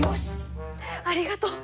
ありがとう！